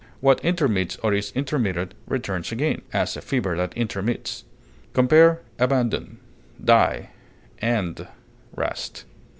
What intermits or is intermitted returns again, as a fever that intermits. Compare ABANDON; DIE; END; REST.